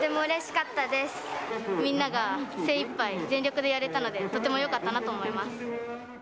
コロナの中で無事に運動会がみんなが精いっぱい全力でやれたので、とてもよかったなと思います。